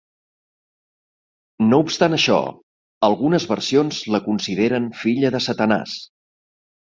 No obstant això, algunes versions la consideren filla de Satanàs.